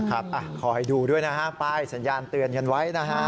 ขอให้ดูด้วยนะฮะป้ายสัญญาณเตือนกันไว้นะฮะ